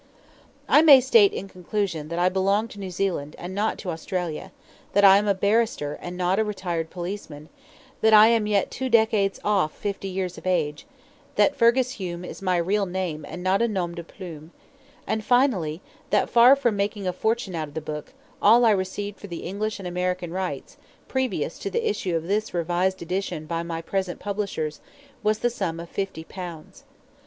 I may state in conclusion, that I belong to New Zealand, and not to Australia, that I am a barrister, and not a retired policeman, that I am yet two decades off fifty years of age, that Fergus Hume is my real name, and not a nom de plume; and finally, that far from making a fortune out of the book, all I received for the English and American rights, previous to the issue of this Revised Edition by my present publishers, was the sum of fifty pounds.